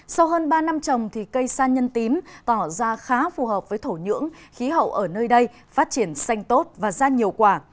sau hơn ba năm trồng cây san nhân tím tỏ ra khá phù hợp với thổ nhưỡng khí hậu ở nơi đây phát triển xanh tốt và ra nhiều quả